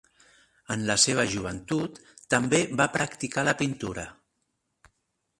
En la seva joventut també va practicar la pintura.